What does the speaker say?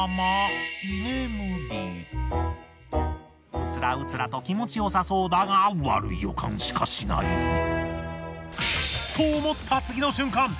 うつらうつらと気持ちよさそうだが悪い予感しかしない。と思った次の瞬間